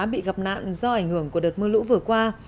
bị gặp nạn do ảnh hưởng của đợt mưa lũ vừa qua